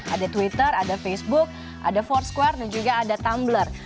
ada twitter ada facebook ada foursquare dan juga ada tumblr